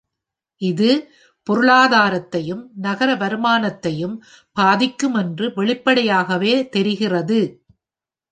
இது பொருளாதாரத்தையும், நகர வருமானத்தையும் பாதிக்கும் என்று வெளிப்படையாகவே தெரிகிறது.